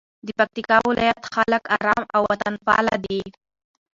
د پکتیکا ولایت خلک آرام او وطنپاله دي.